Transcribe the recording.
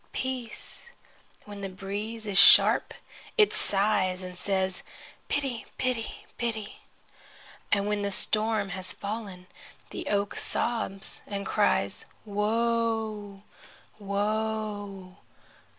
Peace!' When the breeze is sharp it sighs and says: 'Pity! Pity! Pity!' And when the storm has fallen, the oak sobs and cries: 'Woe! Woe!